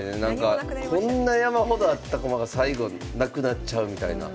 こんな山ほどあった駒が最後なくなっちゃうみたいな。